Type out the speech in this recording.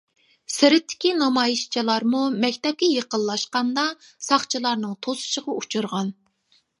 سىرتتىكى نامايىشچىلارمۇ مەكتەپكە يېقىنلاشقاندا ساقچىلارنىڭ توسۇشىغا ئۇچرىغان.